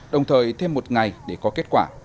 đồng thời thêm một ngày để có kết quả